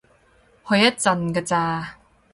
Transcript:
去一陣㗎咋